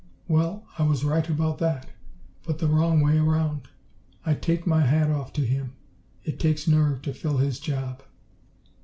Well, I was right about that but the wrong way around. I take my hat off to him! It takes nerve to fill his job."